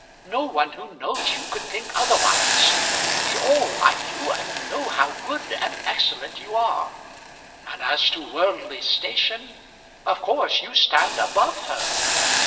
No one who knows you could think otherwise. We all like you, and know how good and excellent you are. And as to worldly station, of course you stand above her."